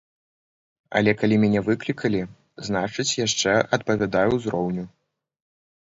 Але калі мяне выклікалі, значыць, яшчэ адпавядаю ўзроўню.